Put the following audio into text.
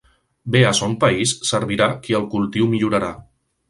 Bé a son país servirà qui el cultiu millorarà.